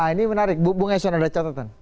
ini menarik bu ngeson ada catatan